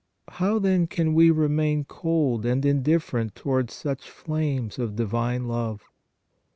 How then can we remain cold and indifferent towards such flames of divine love?